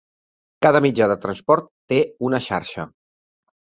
Cada mitjà de transport té una xarxa.